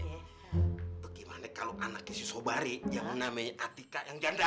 itu gimana kalau anaknya si sobari yang namanya atika yang janda